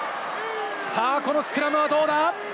このスクラムはどうだ？